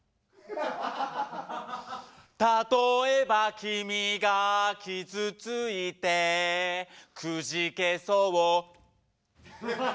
「たとえば君が傷ついてくじけそう」